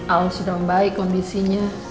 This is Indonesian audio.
al sudah baik kondisinya